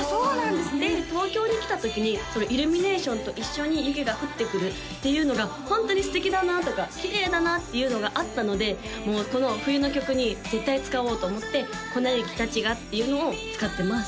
で東京に来たときにイルミネーションと一緒に雪が降ってくるっていうのがホントに素敵だなとかきれいだなっていうのがあったのでもうこの冬の曲に絶対使おうと思って「粉雪たちが」っていうのを使ってます